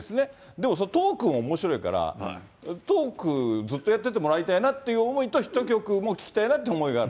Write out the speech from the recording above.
でも、そのトークも面白いから、トークずっとやっててもらいたいなという思いと、ヒット曲も聴きたいなという思いもあって。